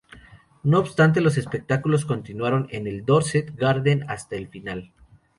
No obstante, los espectáculos continuaron en el Dorset Garden hasta el final.